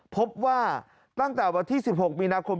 พบว่าตั้งแต่วันที่๑๖มีนาคม